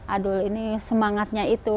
adul ini semangatnya itu